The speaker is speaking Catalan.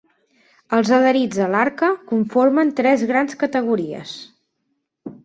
Els adherits a l'Arca conformen tres grans categories.